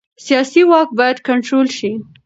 سیاسي واک باید کنټرول شي